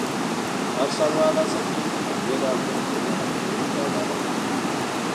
هر ښاروال هڅه کوي چې د مالیې د حقونو په برابرولو کې عدالت وکړي.